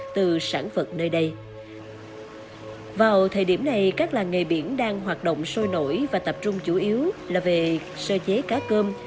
từ thời điểm này các làng nghề biển đang hoạt động sôi nổi và tập trung chủ yếu là về sơ chế cá cơm